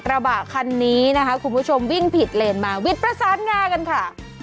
ระบะคันนี้นะคะคุณผู้ชมวิ่งผิดเลนมาวิทย์ประสานงากันค่ะ